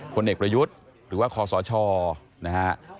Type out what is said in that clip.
ผลเอกประยุทธ์หรือว่าคอสชนะฮะ